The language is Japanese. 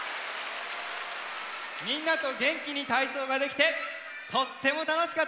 みんなとげんきにたいそうができてとってもたのしかったです。